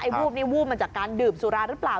วูบนี้วูบมาจากการดื่มสุราหรือเปล่า